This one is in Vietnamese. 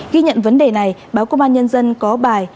ghi nhận vấn đề này báo công an nhân dân có bài